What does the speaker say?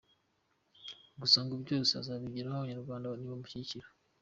Gusa ngo byose azabigeraho Abanyarwanda nibamushyigikira.